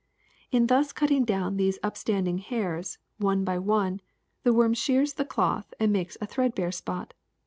In thus cutting down these upstanding hairs, one by one, the worm shears the cloth and makes a threadbare spot.